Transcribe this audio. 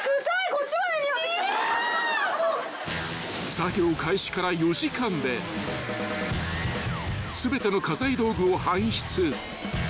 ［作業開始から４時間で全ての家財道具を搬出］